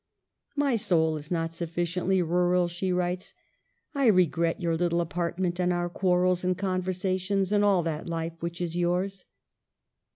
" My soul is not sufficiently rural," she writes. " I regret your little apart ment and our quarrels and conversations, and all that life which is yours."